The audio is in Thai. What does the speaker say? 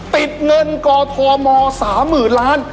ติดเงินกอทม๓๐๐๐ล้าน